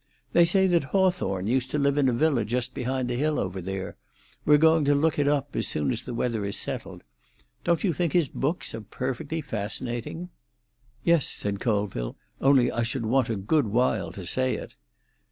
They say that Hawthorne used to live in a villa just behind the hill over there; we're going to look it up as soon as the weather is settled. Don't you think his books are perfectly fascinating?" "Yes," said Colville; "only I should want a good while to say it."